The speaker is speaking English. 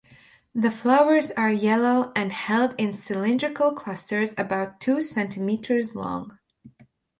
The flowers are yellow, and held in cylindrical clusters about two centimetres long.